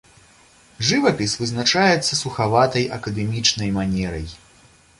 Жывапіс вызначаецца сухаватай акадэмічнай манерай.